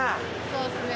そうですね。